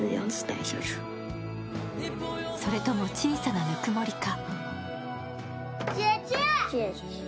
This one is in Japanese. それとも小さなぬくもりか？